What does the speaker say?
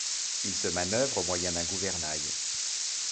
Il se manœuvre au moyen d'un gouvernail.